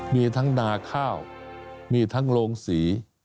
มีทั้งนาข้าวมีทั้งโรงสี